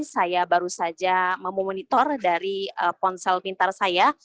saya baru saja memonitor dari ponsel pintar saya